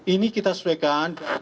ini kita sesuaikan dengan